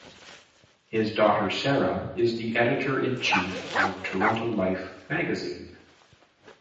His daughter Sarah is the editor-in-chief of "Toronto Life" magazine.